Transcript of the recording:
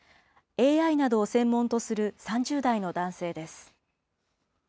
ＡＩなどを専門とする３０代の男性です。